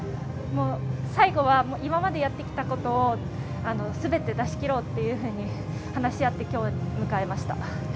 最後は今までやってきたこと、全て出し切ろうっていうふうに話し合って、今日を迎えました。